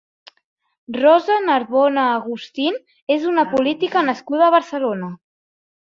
Rosa Narbona Agustín és una política nascuda a Barcelona.